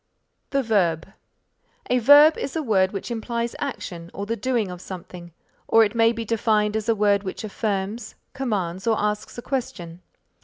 THE VERB A verb is a word which implies action or the doing of something, or it may be defined as a word which affirms, commands or asks a question.